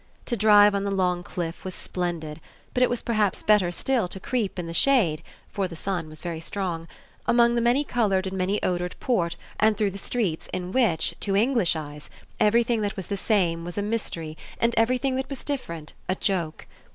To drive on the long cliff was splendid, but it was perhaps better still to creep in the shade for the sun was strong along the many coloured and many odoured port and through the streets in which, to English eyes, everything that was the same was a mystery and everything that was different a joke.